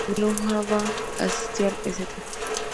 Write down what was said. Luhrmann asistió al St.